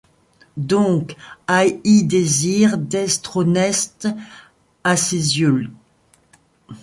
Doncques ay-ie dezir d’estre honneste à ses yeulx.